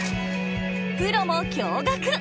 プロも驚がく！